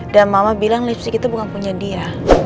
dan mama bilang lipstick itu bukan punya dia